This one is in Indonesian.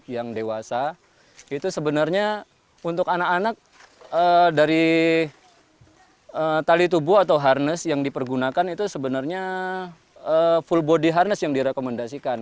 yang dewasa itu sebenarnya untuk anak anak dari tali tubuh atau harness yang dipergunakan itu sebenarnya full body harness yang direkomendasikan